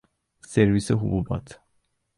سرویس حبوبات